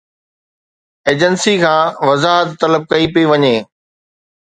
Agency کان وضاحت طلب ڪئي پئي وڃي.